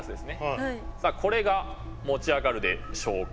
これが持ち上がるでしょうか？